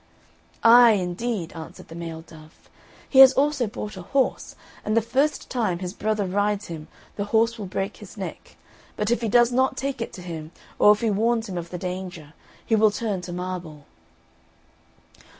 "Ay, indeed," answered the male dove, "he has also bought a horse, and the first time his brother rides him the horse will break his neck; but if he does not take it to him, or if he warns him of the danger, he will turn to marble."